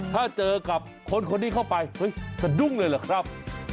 ถ้าเจอกับคนนี่เข้าไปสดุ้งเลยเหรอครับ